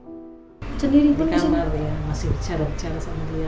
di kamar dia masih bicara bicara sama dia